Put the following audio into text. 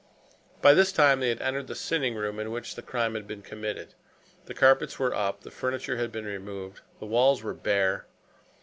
By this time they had entered the sitting room in which the crime had been committed. The carpets were up, the furniture had been removed, the walls were bare.